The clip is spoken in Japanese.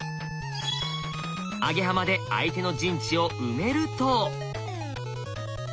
アゲハマで相手の陣地を埋めると。